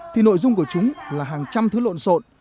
thì nội dung của chúng là hàng trăm thứ lộn xộn